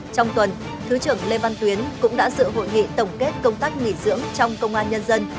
trong tuần thứ trưởng lê văn tuyến cũng đã dự hội nghị tổng kết công tác nghỉ dưỡng trong công an nhân dân